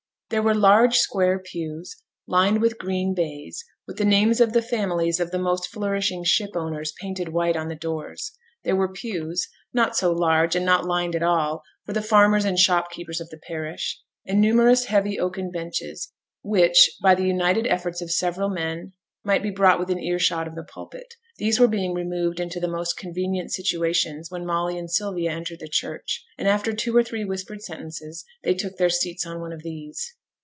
There were large square pews, lined with green baize, with the names of the families of the most flourishing ship owners painted white on the doors; there were pews, not so large, and not lined at all, for the farmers and shopkeepers of the parish; and numerous heavy oaken benches which, by the united efforts of several men, might be brought within earshot of the pulpit. These were being removed into the most convenient situations when Molly and Sylvia entered the church, and after two or three whispered sentences they took their seats on one of these.